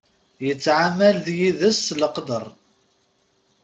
Yettɛamal d yid-s s leqder.